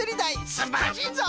すんばらしいぞい！